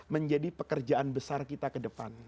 menjadi pekerjaan besar kita ke depan